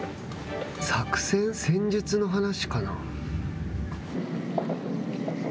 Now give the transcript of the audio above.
作戦、戦術の話かな。